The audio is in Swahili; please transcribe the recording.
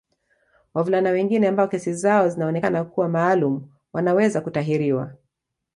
Wavulana wengine ambao kesi zao zinaonekana kuwa maalum wanaweza kutahiriwa